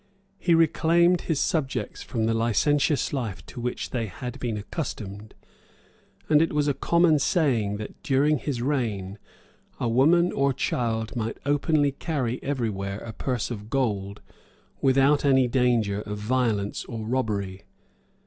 He reclaimed his subjects from the licentious life to which they had been accustomed; and it was a common saying, that during his reign a woman or child might openly carry every where a purse of gold, without any danger of violence or robbery.